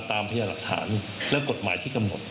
พยายามหลักฐานและกฎหมายที่กำหนด